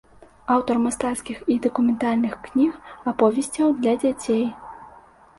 Аўтар мастацкіх і дакументальных кніг, аповесцяў для дзяцей.